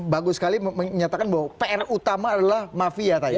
bagus sekali menyatakan bahwa pr utama adalah mafia tadi